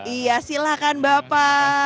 iya silakan bapak